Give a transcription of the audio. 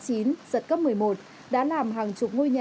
giật cấp một mươi một đã làm hàng chục ngôi nhà